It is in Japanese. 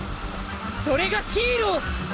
それがヒーロー！